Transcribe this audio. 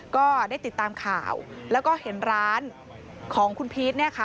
ก็ได้ติดตามข่าวแล้วก็เห็นร้านของคุณพีชเนี่ยค่ะ